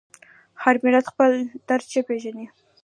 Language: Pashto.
هر ملت خپل درد ښه پېژني.